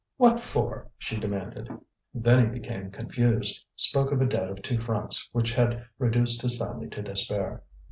"What for?" she demanded. Then he became confused, spoke of a debt of two francs which had reduced his family to despair.